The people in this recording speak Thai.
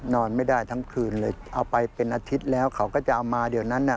นอนไม่ได้ทั้งคืนเลยเอาไปเป็นอาทิตย์แล้วเขาก็จะเอามาเดี๋ยวนั้นน่ะ